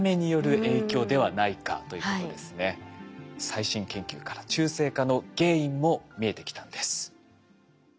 最新研究から中性化の原因も見えてきたんです。